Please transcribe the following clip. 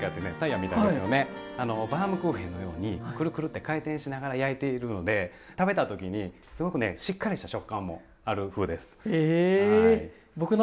バウムクーヘンのようにくるくるって回転しながら焼いているので食べた時にすごくねしっかりした食感もある麩です。